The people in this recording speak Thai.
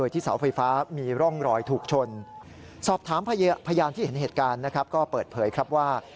ถามพยานที่เห็นเหตุการณ์นะครับก็เปิดเผยครับว่า